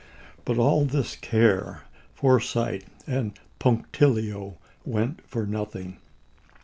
But all this care, foresight, and p Vso." punctilio went for nothing.